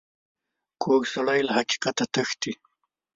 کوږ سړی له حقیقت تښتي